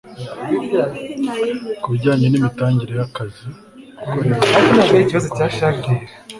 ku bijyanye n'imitangire y'akazi, gukorera mu mucyo bigomba gutuma